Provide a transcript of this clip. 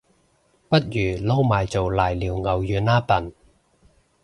不如撈埋做瀨尿牛丸吖笨